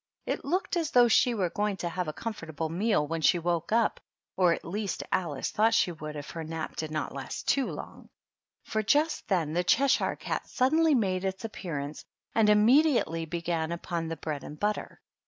It looked as though she were going to have a comfortable meal when she woke up, or at least Alice thought she would if her nap did not last too long ; for just then the Clheshire 46 THE DUCHESS AND HER HOUSE. cat suddenly made its appearance and immedi ately began upon the bread and butter.